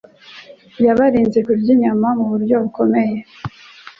yabarinze kurya inyama mu buryo bukomeye,